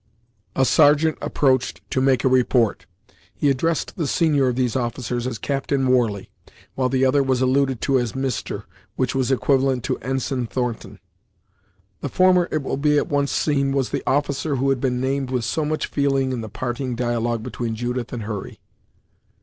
A sergeant approached to make a report. He addressed the senior of these officers as Capt. Warley, while the other was alluded to as Mr., which was equivalent to Ensign Thornton. The former it will at once be seen was the officer who had been named with so much feeling in the parting dialogue between Judith and Hurry.